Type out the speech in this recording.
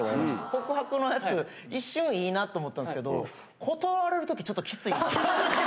告白のやつ、一瞬いいなと思ったんですけど、断られるとき、ちょっときつい。